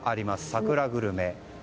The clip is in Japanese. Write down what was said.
桜グルメ。